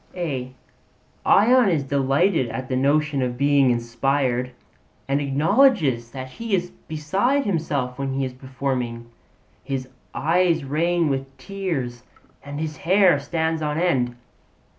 Ion is delighted at the notion of being inspired, and acknowledges that he is beside himself when he is performing; his eyes rain tears and his hair stands on end.